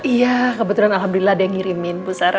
iya kebetulan alhamdulillah ada yang ngirimin bu sarah